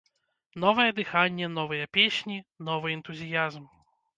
Новае дыханне, новыя песні, новы энтузіязм.